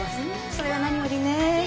それは何よりね。